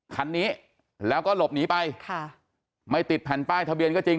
คันนี้แล้วก็หลบหนีไปค่ะไม่ติดแผ่นป้ายทะเบียนก็จริง